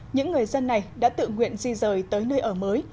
những người dân này đã tự nguyện di rời tới nơi ở mới